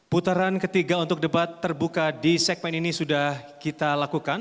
putaran ketiga untuk debat terbuka di segmen ini sudah kita lakukan